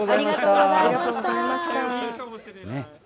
ありがとうございます。